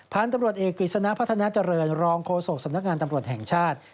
ผ่านตำรวจเอกฤษณะพัฒนาเจริญ